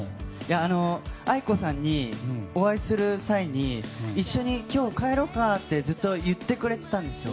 ａｉｋｏさんにお会いする際に一緒に今日帰ろうかってずっと言ってくれてたんですよ。